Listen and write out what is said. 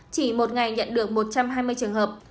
chỉ một ngày nhận được một trăm hai mươi trường hợp